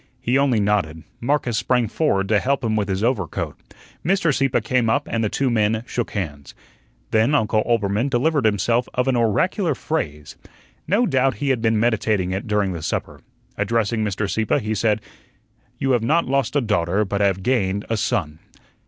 He only nodded. Marcus sprang forward to help him with his overcoat. Mr. Sieppe came up and the two men shook hands. Then Uncle Oelbermann delivered himself of an oracular phrase. No doubt he had been meditating it during the supper. Addressing Mr. Sieppe, he said: "You have not lost a daughter, but have gained a son."